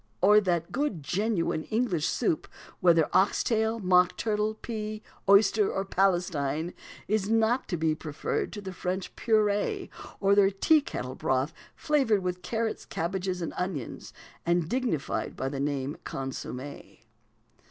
or that good genuine English soup, whether ox tail, mock turtle, pea, oyster, or Palestine, is not to be preferred to the French purée, or to their teakettle broth flavoured with carrots, cabbages, and onions, and dignified by the name of consommé?